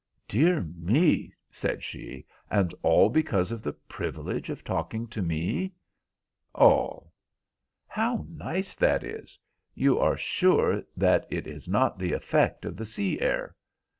"Dear me," said she, "and all because of the privilege of talking to me?" "All." "How nice that is. You are sure that it is not the effect of the sea air?"